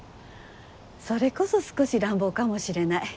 それこそ少し乱暴かもしれない。